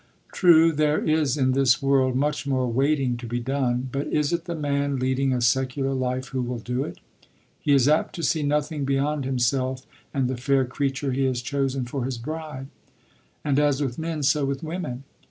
True, there is in this world much more waiting to be done; but is it the man leading a secular life who will do it? He is apt to see nothing beyond himself and the fair creature he has chosen for his bride." And, as with men, so with women.